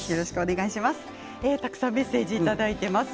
たくさんメッセージいただいています。